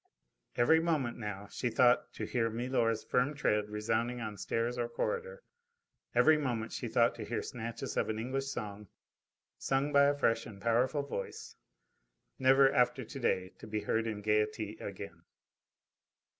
Every moment now she thought to hear milor's firm tread resounding on stairs or corridor, every moment she thought to hear snatches of an English song, sung by a fresh and powerful voice, never after to day to be heard in gaiety again.